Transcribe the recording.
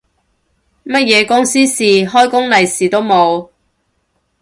乜嘢公司事，開工利是都冇